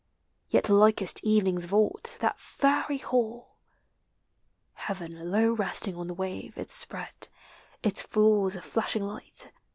Yet likest evening's vault, that fairy Hall! Heaven, low resting on the wave, it spread Its floors of flashing light.